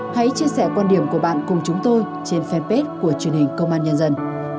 hãy chia sẻ quan điểm của bạn cùng chúng tôi trên fanpage của truyền hình công an nhân dân